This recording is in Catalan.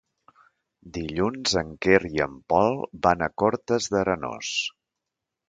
Dilluns en Quer i en Pol van a Cortes d'Arenós.